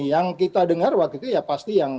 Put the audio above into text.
yang kita dengar waktu itu ya pasti yang